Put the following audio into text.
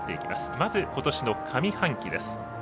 まず今年の上半期です。